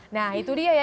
nah itu dia ya